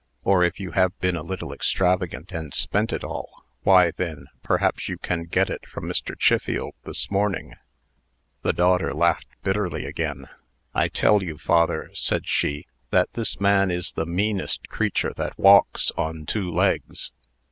Or, if you have been a little extravagant, and spent it all, why, then, perhaps you can get it from Mr. Chiffield this morning?" The daughter laughed bitterly again. "I tell you, father," said she, "that this man is the meanest creature that walks OB two legs.